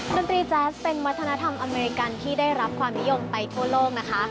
ดนตรีแจ๊สเป็นวัฒนธรรมอเมริกันที่ได้รับความนิยมไปทั่วโลกนะคะ